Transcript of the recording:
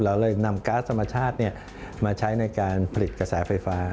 เราเลยนำก๊าซธรรมชาติมาใช้ในการผลิตกระแสไฟฟ้า